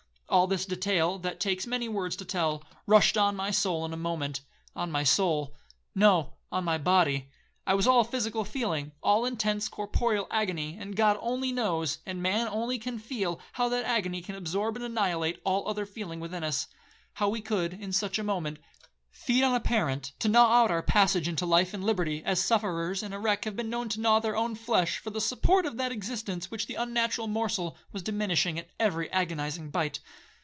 All this detail, that takes many words to tell, rushed on my soul in a moment;—on my soul?—no, on my body. I was all physical feeling,—all intense corporeal agony, and God only knows, and man only can feel, how that agony can absorb and annihilate all other feeling within us,—how we could, in such a moment, feed on a parent, to gnaw out our passage into life and liberty, as sufferers in a wreck have been known to gnaw their own flesh, for the support of that existence which the unnatural morsel was diminishing at every agonizing bite.